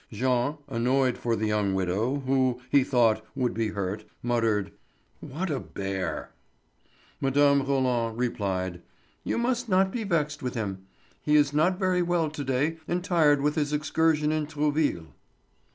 Jean, annoyed for the young widow, who, he thought, would be hurt, muttered: "What a bear!" Mme. Roland replied: "You must not be vexed with him; he is not very well to day and tired with his excursion to Trouville."